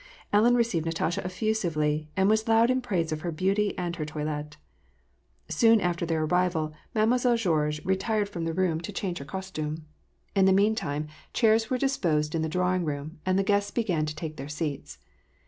Ellen received Natasha effusively, and was loud in praise of her beauty and her toilet. Soon after their arrival, Mademoiselle Greorges retired from 366 WAR AND PEACE. the room to change her costume. In the mean time, chairs were disposed in the drawing room, and the guests began to take their seats.